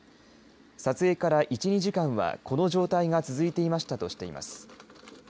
撮影から１、２時間はこの状態が続いていましたとしています。